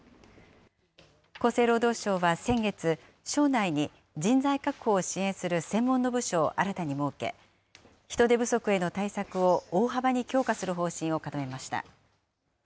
厚生労働省は先月、省内に人材確保を支援する専門の部署を新たに設け、人手不足への対策を大幅に強化する方針を固めました。